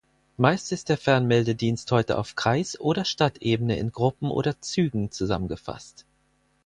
Meist ist der Fernmeldedienst heute auf Kreis- oder Stadtebene in Gruppen oder Zügen zusammengefasst.